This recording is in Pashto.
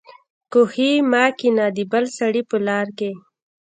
کوهي مه کينه دبل سړي په لار کي